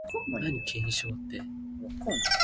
一粒米，百粒汗